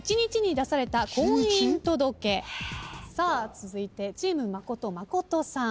続いてチーム真琴真琴さん。